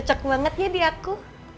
cocok banget ya di aku